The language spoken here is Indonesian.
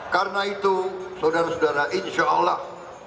karena itu saudara saudara insya allah